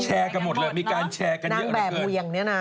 แชร์กันหมดเลยมีการแชร์กันเยอะมากเกิน